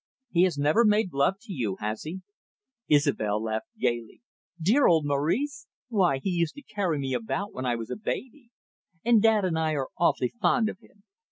He has never made love to you, has he?" Isobel laughed gaily. "Dear old Maurice! Why he used to carry me about when I was a baby. And dad and I are awfully fond of him.